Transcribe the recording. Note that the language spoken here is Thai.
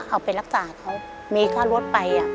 เอาไปรักษาเขามีค่ารถไป